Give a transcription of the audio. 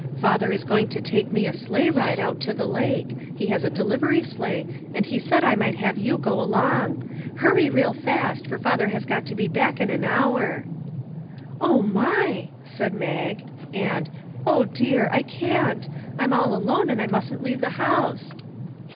Father is going to take me a sleighride out to the lake; he has the delivery sleigh, and he said I might have you go along. Hurry real fast, for father has got to be back in an hour." " Oh my !" said Mag. And, " Oh dear! I can't. I'm all alone, and I mustn't leave the house."